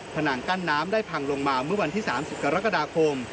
ผนังกั้นน้ำได้พังลงมาเมื่อวันที่๓๐กรกฎาคม